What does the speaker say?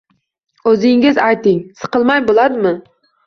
O`zingiz ayting, siqilmay bo`ladimi